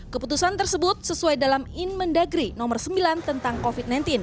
keputusan tersebut sesuai dalam inmen dagri nomor sembilan tentang covid sembilan belas